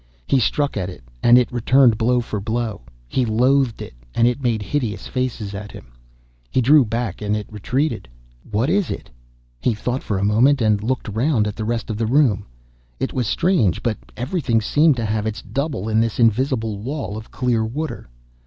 He struck at it, and it returned blow for blow. He loathed it, and it made hideous faces at him. He drew back, and it retreated. What is it? He thought for a moment, and looked round at the rest of the room. It was strange, but everything seemed to have its double in this invisible wall of clear water.